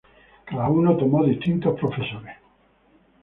Cada uno tomó distintos profesores.